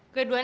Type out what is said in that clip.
gue duan ya